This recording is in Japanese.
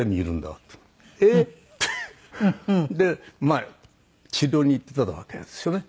まあ治療に行ってたわけですよね。